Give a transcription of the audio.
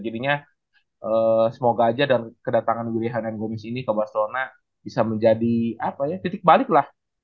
jadinya semoga aja dan kedatangan wri hanan gomis ini ke barcelona bisa menjadi titik balik lah